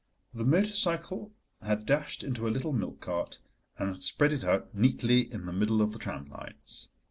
The motor cycle had dashed into a little milk cart and had spread it out neatly in the middle of the tram lines.